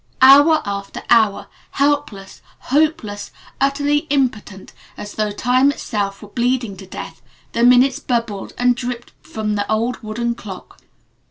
Hour after hour, helpless, hopeless, utterly impotent as though Time itself were bleeding to death, the minutes bubbled and dripped from the old wooden clock.